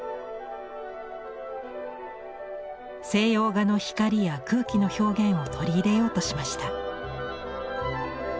西洋画の光や空気の表現を取り入れようとしました。